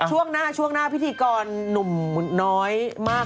ช่วงหน้าช่วงหน้าพิธีกรหนุ่มน้อยมาก